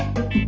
untuk b santel